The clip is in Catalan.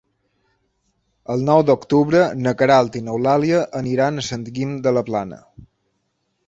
El nou d'octubre na Queralt i n'Eulàlia aniran a Sant Guim de la Plana.